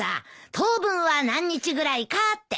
当分は何日ぐらいかって。